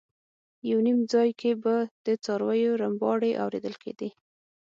یو نیم ځای کې به د څارویو رمباړې اورېدل کېدې.